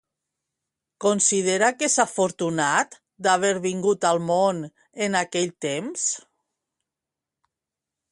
Considera que és afortunat d'haver vingut al món en aquell temps?